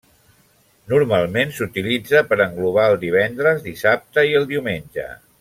Normalment s'utilitza per englobar el divendres, dissabte i el diumenge.